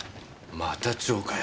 また蝶かよ。